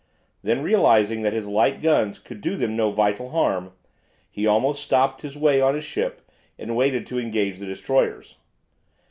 Then realizing that his light guns could do them no vital harm, he almost stopped the way on his ship, and waited to engage the destroyers.